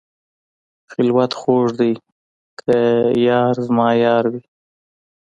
خلوت خوږ دی که یار زما یار وي.